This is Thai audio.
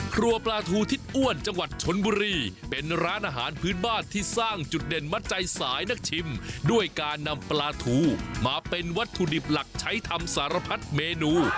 ครัวปลาทูทิศอ้วนจังหวัดชนบุรีเป็นร้านอาหารพื้นบ้านที่สร้างจุดเด่นมัดใจสายนักชิมด้วยการนำปลาทูมาเป็นวัตถุดิบหลักใช้ทำสารพัดเมนู